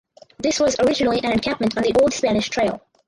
This was originally an encampment on the Old Spanish Trail.